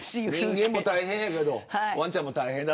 人間も大変だけどわんちゃんも大変。